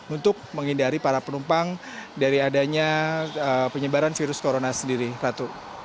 untuk menghindari para penumpang dari adanya penyebaran virus corona sendiri ratu